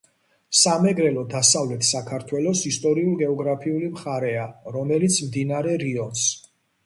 სამეგრელო დასავლეთ საქართველოს ისტორიულ-გეოგრაფიული მხარეა, რომელიც მდინარე რიონს,